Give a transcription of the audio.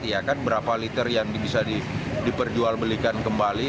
ya kan berapa liter yang bisa diperjualbelikan kembali